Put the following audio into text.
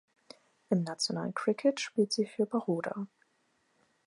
Im nationalen Cricket spielt sie für Baroda.